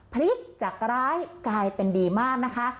พลิกจากร้ายกลายเป็นดีมากนะคะ